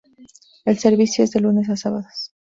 El servicio es de lunes a sábados.